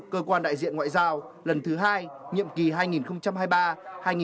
cơ quan đại diện ngoại giao lần thứ hai nhiệm kỳ hai nghìn hai mươi ba hai nghìn hai mươi năm